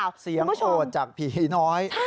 กลุ่มผู้ชมเสียงโควดจากผีน้อย